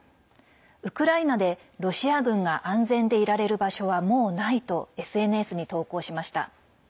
ウクライナでロシア軍が安全でいられる場所はもうないとＳＮＳに投稿しました。